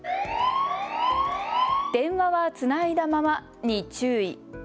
電話はつないだままに注意。